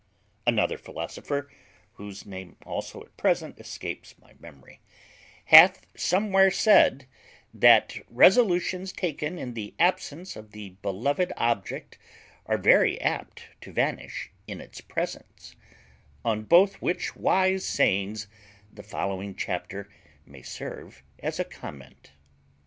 Another philosopher, whose name also at present escapes my memory, hath somewhere said, that resolutions taken in the absence of the beloved object are very apt to vanish in its presence; on both which wise sayings the following chapter may serve as a comment.